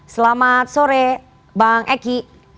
selamat sore bang eki